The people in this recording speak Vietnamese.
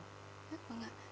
rất vâng ạ